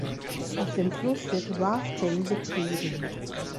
Auf dem Fluss wird Rafting betrieben.